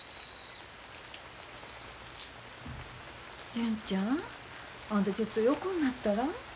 純ちゃんあんたちょっと横になったら？